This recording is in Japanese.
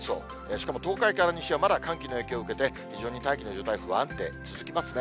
しかも東海から西はまだ寒気の影響受けて、非常に大気の状態、不安定、続きますね。